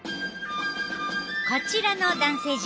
こちらの男性陣